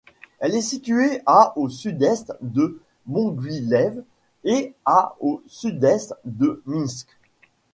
Elle est située à au sud-est de Moguilev et à au sud-est de Minsk.